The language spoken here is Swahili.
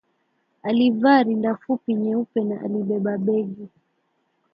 Alivaa rinda fupi nyeupe na alibeba begi